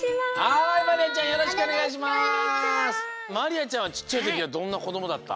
まりあちゃんはちっちゃいときはどんなこどもだった？